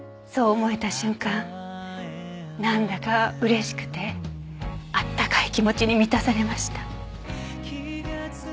思えた瞬間なんだか嬉しくてあったかい気持ちに満たされました。